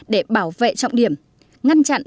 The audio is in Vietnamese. để bảo vệ trọng điểm ngăn chặn